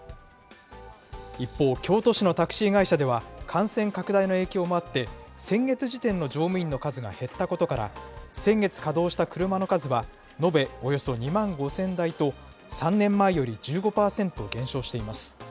一方、京都市のタクシー会社では、感染拡大の影響もあって、先月時点の乗務員の数が減ったことから、先月稼働した車の数は、延べおよそ２万５０００台と、３年前より１５％減少しています。